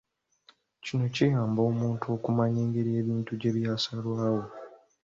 Kino kiyamba omuntu okumanya engeri ebintu gye byasalwawo.